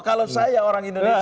kalau saya orang indonesia